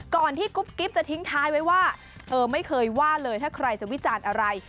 ก่อนที่กุ๊บกิ๊บจะทิ้งท้ายไว้ว่าเธอไม่เคยว่าเลยถ้าใครจะวิจารณ์อะไร